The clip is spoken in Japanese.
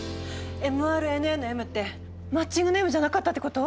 ｍＲＮＡの「ｍ」ってマッチングの「ｍ」じゃなかったってこと？